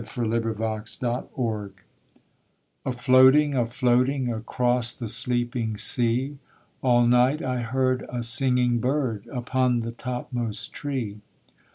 THE NIGHT BIRD: A MYTH A floating, a floating Across the sleeping sea, All night I heard a singing bird Upon the topmost tree.